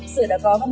sở đã có văn bản